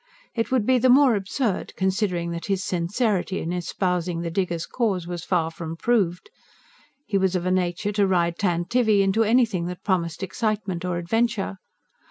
It would be the more absurd, considering that his sincerity in espousing the diggers' cause was far from proved. He was of a nature to ride tantivy into anything that promised excitement or adventure.